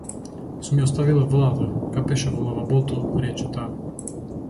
Сум ја оставила водата, капеше во лавабото, рече таа.